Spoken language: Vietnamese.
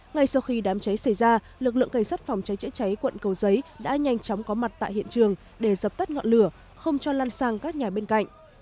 ngay sau khi đám cháy xảy ra lực lượng cảnh sát phòng cháy chữa cháy quận cầu giấy đã nhanh chóng có mặt tại hiện trường để dập tắt ngọn lửa không cho lan sang các nhà bên cạnh